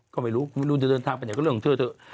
ก็ไม่รู้เดินทางไปไหนก็เรื่องเธอเถอะ